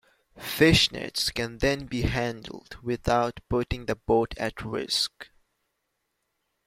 Fishnets can then be handled without putting the boat at risk.